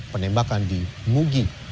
penembakan di mugi